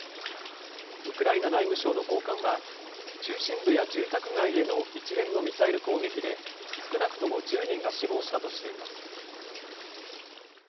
ウクライナ内務省の高官は、中心部や住宅街への一連のミサイル攻撃で、少なくとも１０人が死亡したとしています。